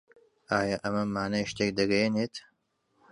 ئایا ئەمە مانای شتێک دەگەیەنێت؟